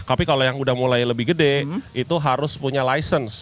tapi kalau yang udah mulai lebih gede itu harus punya license